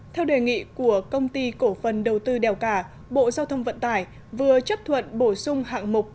theo đề nghị của công ty cổ phần đầu tư đèo cả bộ giao thông vận tải vừa chấp thuận bổ sung hạng mục